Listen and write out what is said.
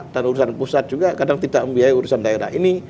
dan urusan pusat juga kadang tidak membiayai urusan daerah ini